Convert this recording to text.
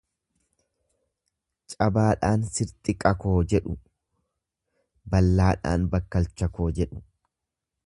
Cabaadhaan sirxiqa koo jedhu, ballaadhaan bakkalcha koo jedhu.